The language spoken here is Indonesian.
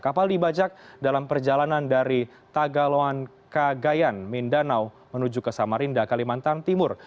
kapal dibajak dalam perjalanan dari tagaloan kagayan mindanau menuju ke samarinda kalimantan timur